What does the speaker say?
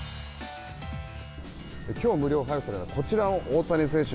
今日、無料配布されるこちらの大谷選手